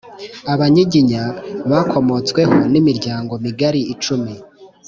Abanyiginya bakomotsweho n’imiryango migari icumi